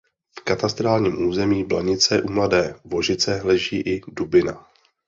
V katastrálním území Blanice u Mladé Vožice leží i Dubina.